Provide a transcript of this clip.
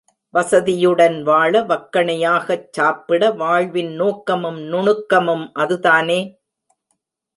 வசதியுடன் வாழ வக்கணையாக சாப்பிட, வாழ்வின் நோக்கமும் நுணுக்கமும் அதுதானே!